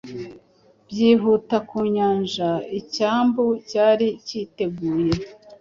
Byihuta ku nyanjaicyambu- cyari cyiteguye